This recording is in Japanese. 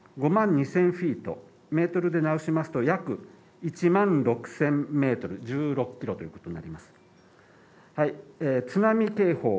高度は約５万２０００フィートｍで直しますと約１万６０００ｍ１６キロということになります。